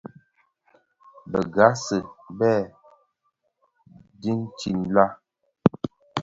Bëghasi bèè dhitin la?